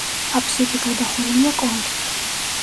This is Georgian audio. აფსიდი გადახურულია კონქით.